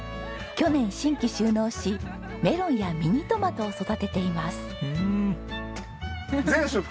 去年新規就農しメロンやミニトマトを育てています。